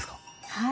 はい。